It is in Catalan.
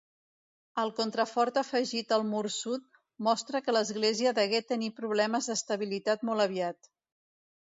El contrafort afegit al mur sud mostra que l'església degué tenir problemes d'estabilitat molt aviat.